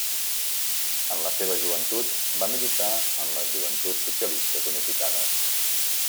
En la seva joventut va militar en les Joventuts Socialistes Unificades.